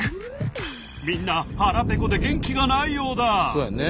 みんな腹ぺこで元気がないようだ。